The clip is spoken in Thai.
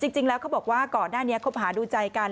จริงแล้วเขาบอกว่าก่อนหน้านี้คบหาดูใจกัน